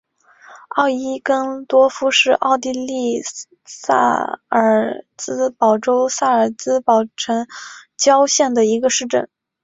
奥伊根多夫是奥地利萨尔茨堡州萨尔茨堡城郊县的一个市镇。